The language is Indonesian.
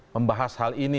membahas hal ini